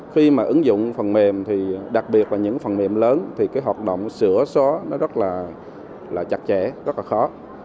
khi mà ứng dụng phần mềm thì đặc biệt là những phần mềm lớn thì cái hoạt động sửa xóa nó rất là chặt chẽ rất là khó